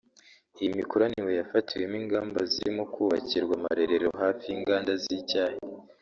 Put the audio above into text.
Iyi mikoranire yafatiwemo ingamba zirimo kubakirwa amarerero hafi y’inganda z’icyayi